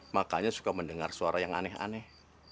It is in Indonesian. makanya suka mendengar suara yang aneh aneh